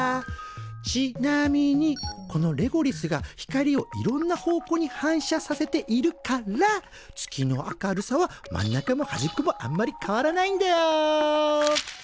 ちなみにこのレゴリスが光をいろんな方向に反射させているから月の明るさは真ん中もはじっこもあんまり変わらないんだよ。